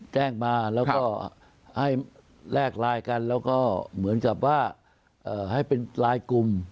แจ้งมาแล้วก็ให้แลกไลน์กันแล้วก็เหมือนกับว่าให้เป็นลายกลุ่ม